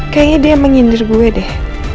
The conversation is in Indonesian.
kayaknya dia mengindir gue deh